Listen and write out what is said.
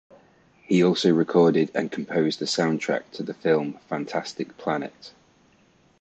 He also recorded and composed the soundtrack to the film "Fantastic Planet".